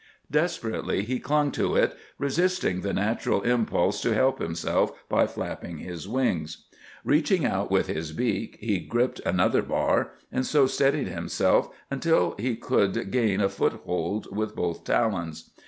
Desperately he clung to it, resisting the natural impulse to help himself by flapping his wings. Reaching out with his beak, he gripped another bar, and so steadied himself till he could gain a foothold with both talons.